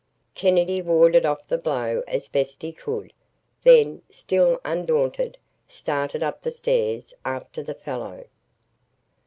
Kennedy warded off the blow as best he could, then, still undaunted, started up the stairs after the fellow.